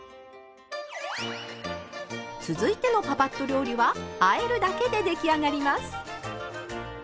続いてのパパッと料理はあえるだけで出来上がります。